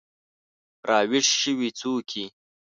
راویښې شوي څوکې